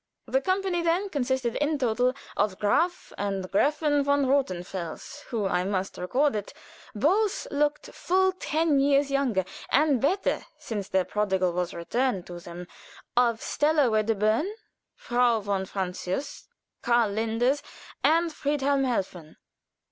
The company then consisted in toto of Graf and Gräfin von Rothenfels, who, I must record it, both looked full ten years younger and better since their prodigal was returned to them, of Stella Wedderburn, Frau von Francius, Karl Linders, and Friedhelm Helfen.